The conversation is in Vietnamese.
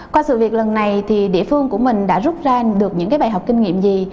qua sự việc lần này thì địa phương của mình đã rút ra được những bài học kinh nghiệm gì